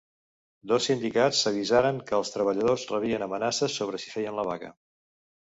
Dos sindicats avisaren que els treballadors rebien amenaces sobre si feien la vaga.